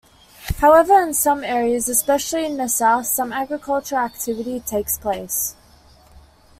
However in some areas, especially in the south, some agricultural activity takes place.